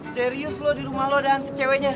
serius lo di rumah lo ada ansip ceweknya